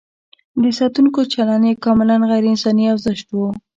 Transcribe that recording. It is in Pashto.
د ساتونکو چلند یې کاملاً غیر انساني او زشت و.